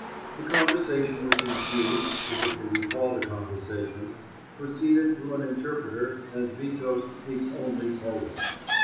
The conversation which ensued, if it can be called a conversation, proceeded through an interpreter as Witos speaks only Polish.